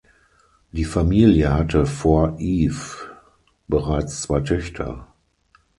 Die Familie hatte vor Eve bereits zwei Töchter.